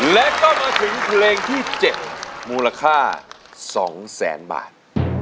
และก็มาถึงเพลงที่๗มูลค่า๒แสนบาท